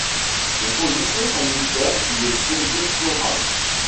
Les conditions sanitaires y étaient déplorables.